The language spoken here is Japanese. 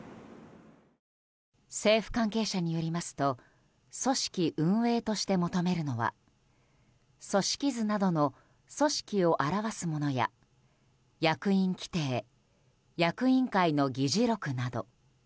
政府関係者によりますと組織・運営として求めるのは組織図などの組織を表すものや役員規定、役員会の議事録など。